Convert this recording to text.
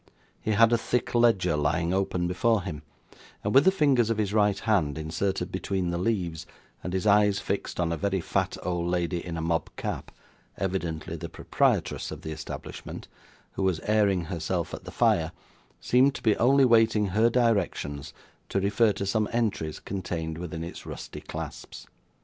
He had a thick ledger lying open before him, and with the fingers of his right hand inserted between the leaves, and his eyes fixed on a very fat old lady in a mob cap evidently the proprietress of the establishment who was airing herself at the fire, seemed to be only waiting her directions to refer to some entries contained within its rusty clasps.